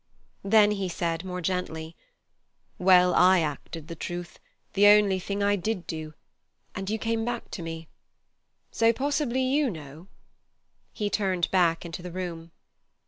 Then he said more gently: "Well, I acted the truth—the only thing I did do—and you came back to me. So possibly you know." He turned back into the room.